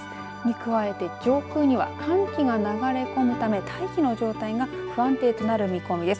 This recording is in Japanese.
加えて上空には寒気が流れ込むため大気の状態が不安定となる見込みです。